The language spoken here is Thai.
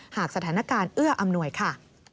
หากสถานการณ์เอื้ออำนวยค่ะ